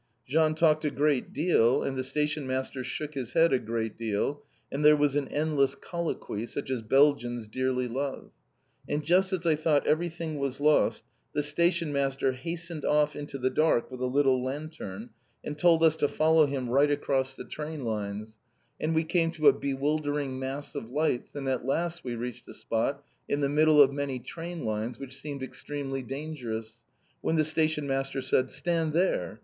Jean talked a great deal, and the stationmaster shook his head a great deal, and there was an endless colloquy, such as Belgians dearly love; and just as I thought everything was lost, the stationmaster hastened off into the dark with a little lantern and told us to follow him right across the train lines, and we came to a bewildering mass of lights, and at last we reached a spot in the middle of many train lines which seemed extremely dangerous, when the stationmaster said, "Stand there!